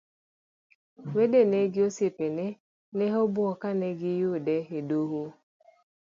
Wedene gi osiepene ne obuok kane oyude e doho.